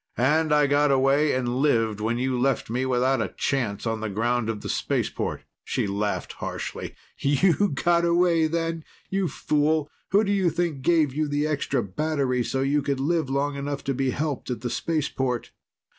"And I got away and lived when you left me without a chance on the ground of the spaceport." She laughed harshly. "You got away then? You fool, who do you think gave you the extra battery so you could live long enough to be helped at the spaceport?